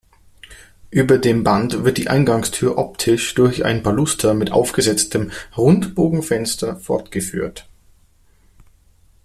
Über dem Band wird die Eingangstür optisch durch ein Baluster mit aufgesetztem Rundbogenfenster fortgeführt.